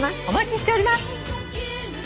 お待ちしております。